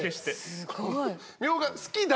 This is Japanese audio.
すごい。